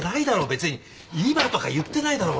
別に今とか言ってないだろ。